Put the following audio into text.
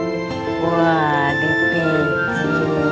itu puk puk puk